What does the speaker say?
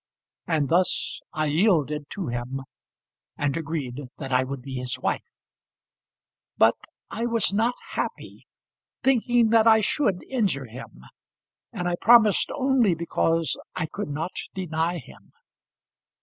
And thus I yielded to him, and agreed that I would be his wife. But I was not happy, thinking that I should injure him; and I promised only because I could not deny him.